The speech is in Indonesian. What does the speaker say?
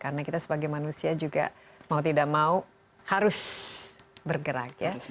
karena kita sebagai manusia juga mau tidak mau harus bergerak ya